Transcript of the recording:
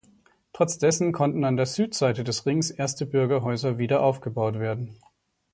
Trotz dessen konnten an der Südseite des Rings erste Bürgerhäuser wiederaufgebaut werden.